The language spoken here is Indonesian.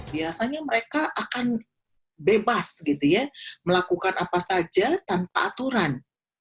biasanya mereka akan bebas gitu ya melakukan apa saja tanpa aturan